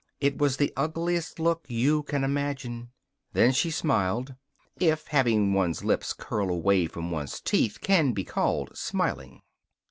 It was the ugliest look you can imagine. Then she smiled if having one's lips curl away from one's teeth can be called smiling.